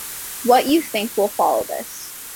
What you think will follow this